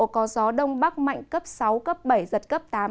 có gió đông bắc mạnh cấp sáu cấp bảy giật cấp tám